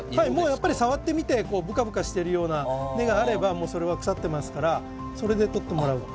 やっぱり触ってみてブカブカしてるような根があればそれは腐ってますからそれで取ってもらえば。